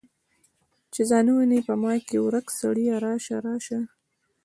چې ځان وویني په ما کې ورک سړیه راشه، راشه